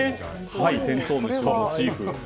テントウムシをモチーフにした。